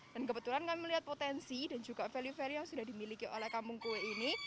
dan kebetulan kami melihat potensi dan juga value value yang sudah dimiliki oleh kampung kue ini